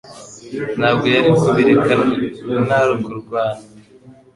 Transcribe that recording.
Ntabwo yari kubireka nta kurwana.